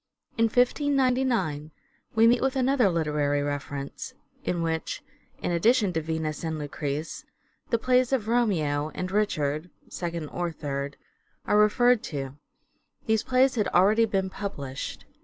In 1599 we meet with another literary reference in which, in addition to " Venus " and " Lucrece," the plays of " Romeo " and " Richard " (II or III) are referred to. These plays had already been published.